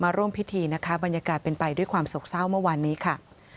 ร่วมพิธีนะคะบรรยากาศเป็นไปด้วยความโศกเศร้าเมื่อวานนี้ค่ะ